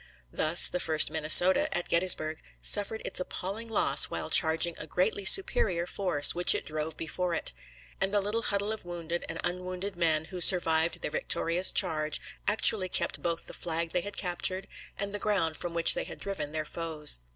Thus, the 1st Minnesota, at Gettysburg, suffered its appalling loss while charging a greatly superior force, which it drove before it; and the little huddle of wounded and unwounded men who survived their victorious charge actually kept both the flag they had captured and the ground from which they had driven their foes.